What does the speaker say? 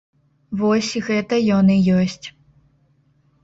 Вось, гэта ён і ёсць.